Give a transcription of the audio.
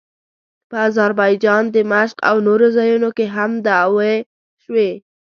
په اذربایجان، دمشق او نورو ځایونو کې هم دعوې شوې.